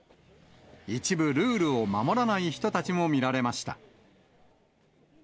一部、ルールを守らない人たちも見られました。